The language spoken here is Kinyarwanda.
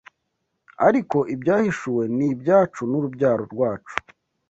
ariko ibyahishuwe ni ibyacu n’urubyaro rwacu